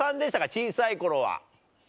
小さい頃は。